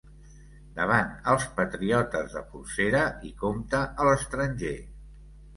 Davant els patriotes de polsera i compte a l’estranger.